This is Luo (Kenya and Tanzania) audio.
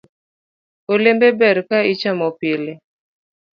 Olembe ber ka ichamo pile